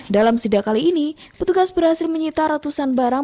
dalam sidak kali ini petugas berhasil menyita ratusan barang